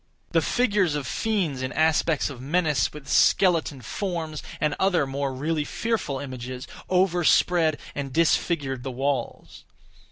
The figures of fiends in aspects of menace, with skeleton forms, and other more really fearful images, overspread and disfigured the walls.